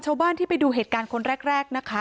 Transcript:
ชาวบ้านที่ไปดูเหตุการณ์คนแรกนะคะ